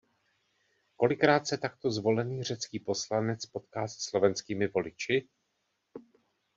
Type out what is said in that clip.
Kolikrát se takto zvolený řecký poslanec potká se slovenskými voliči?